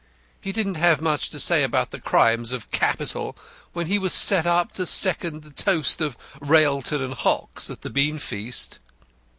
He didn't have much to say about the crimes of capital when he was set up to second the toast of 'Railton and Hockes' at the beanfeast."